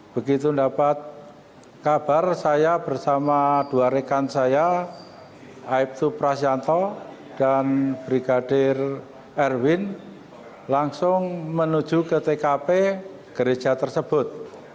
begitu mendapat kabar saya bersama dua rekan saya aibtu prasianto dan brigadir erwin langsung menuju ke tkp gereja tersebut